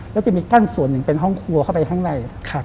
แล้วจะมีกั้นส่วนหนึ่งเป็นห้องครัวเข้าไปข้างใน